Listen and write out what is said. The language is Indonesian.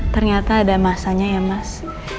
ternyata ada masanya ya mas